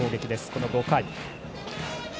この５回。